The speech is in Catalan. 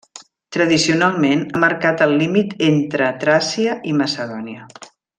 Tradicionalment ha marcat el límit entre Tràcia i Macedònia.